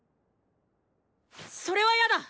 それはヤだ。